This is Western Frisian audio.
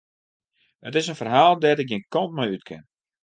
It is in ferhaal dêr't ik gjin kant mei út kin.